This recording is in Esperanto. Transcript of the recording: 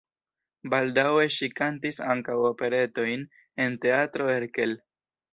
Baldaŭe ŝi kantis ankaŭ operetojn en Teatro Erkel.